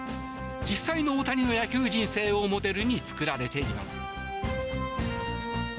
実際の大谷の野球人生をモデルに作られています。